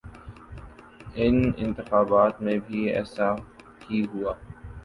ان انتخابات میں بھی ایسا ہی ہوا۔